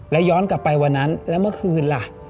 แล้วย้อนกลับไปวันนั้นแล้วเมื่อคืนล่ะ